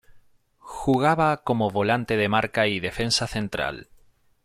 Jugaba como volante de marca y defensa central.